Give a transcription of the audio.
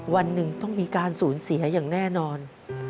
วันหนึ่งต้องมีการสูญเสียอย่างแน่นอน